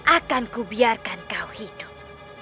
akanku biarkan kau hidup